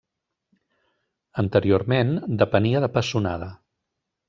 Anteriorment, depenia de Pessonada.